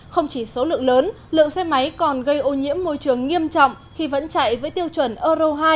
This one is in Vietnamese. không chỉ số lượng lớn lượng xe máy còn gây ô nhiễm môi trường nghiêm trọng khi vẫn chạy với tiêu chuẩn euro hai